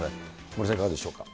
森さん、いかがでしょうか。